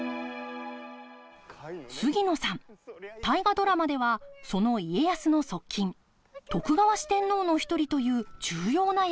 杉野さん「大河ドラマ」ではその家康の側近徳川四天王の一人という重要な役どころです。